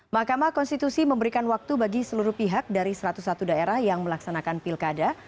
mahkamah konstitusi memberikan waktu bagi seluruh pihak dari satu ratus satu daerah yang melaksanakan pilkada